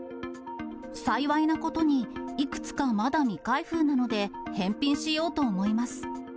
幸いなことに、いくつかまだ未開封なので、返品しようと思います。